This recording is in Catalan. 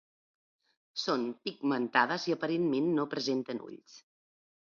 Són pigmentades i aparentment no presenten ulls.